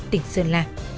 tỉnh sơn la